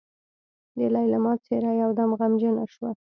د ليلما څېره يودم غمجنه شوه.